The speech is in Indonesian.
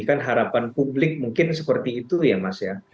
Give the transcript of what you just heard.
kan harapan publik mungkin seperti itu ya mas ya